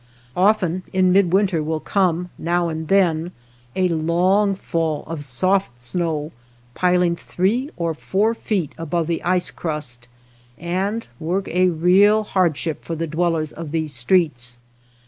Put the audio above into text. Often in midwinter will come, now and then, a long fall of soft snow pil ing three or four feet above the ice crust, and work a real hardship for the dwellers of these streets.